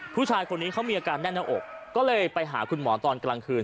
ผู้ชายคนนี้เขามีอาการแน่นหน้าอกก็เลยไปหาคุณหมอตอนกลางคืน